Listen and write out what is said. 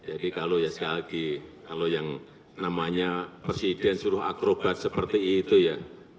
jadi kalau ya sekali lagi kalau yang namanya presiden suruh akrobat seperti itu ya